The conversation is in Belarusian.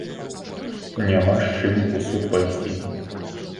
Няма з чым у суд пайсці.